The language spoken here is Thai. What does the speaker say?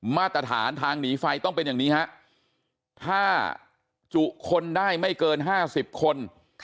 มาตรฐานทางหนีไฟต้องเป็นอย่างนี้ฮะถ้าจุคนได้ไม่เกิน๕๐คน